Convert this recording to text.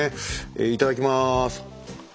いただきます。